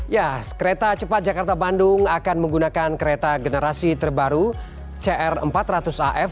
ya kereta cepat jakarta bandung akan menggunakan kereta generasi terbaru cr empat ratus af